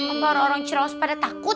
empat orang orang ciraos pada takut